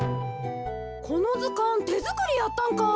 このずかんてづくりやったんか。